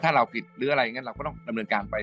ถ้าเราผิดหรืออะไรอย่างนั้นเราก็ต้องดำเนินการไป